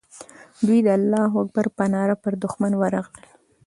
دوی د الله اکبر په ناره پر دښمن ورغلل.